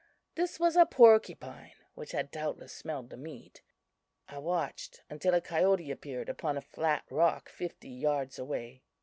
This was a porcupine, which had doubtless smelled the meat. "I watched until a coyote appeared upon a flat rock fifty yards away.